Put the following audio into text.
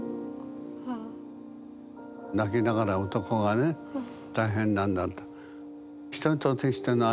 泣きながら男がね大変なんだと。